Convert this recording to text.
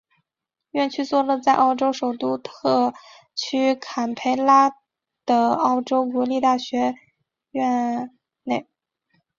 院区座落在澳洲首都特区坎培拉的澳洲国立大学校园内。